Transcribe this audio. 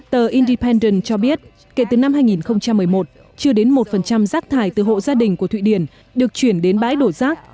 tờ independen cho biết kể từ năm hai nghìn một mươi một chưa đến một rác thải từ hộ gia đình của thụy điển được chuyển đến bãi đổ rác